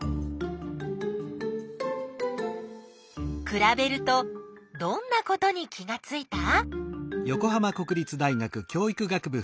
くらべるとどんなことに気がついた？